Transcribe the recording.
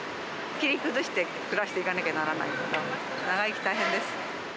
切り崩して暮らしていかなきゃならないから、長生き大変です。